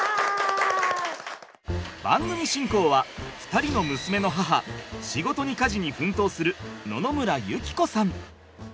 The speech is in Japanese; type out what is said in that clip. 番組進行は２人の娘の母仕事に家事に奮闘する野々村友紀子さん。